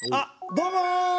どうも。